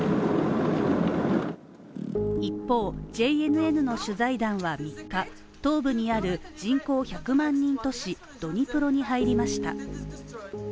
一方、ＪＮＮの取材団は３日、東部にある人口１００万人都市ドニプロに入りました。